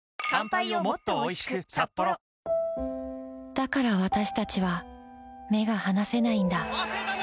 だからわたしたちは目が離せないんだ